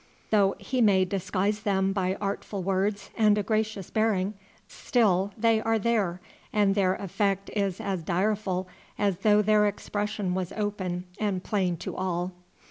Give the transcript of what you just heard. Though he may disguise them by artful words and a gracious bearing, still they are there, and their effect is as direful as though their expression was open and plain to all.